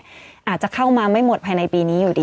อาจจะเข้ามาไม่หมดภายในปีนี้อยู่ดี